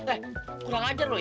eh kurang ajar loh ya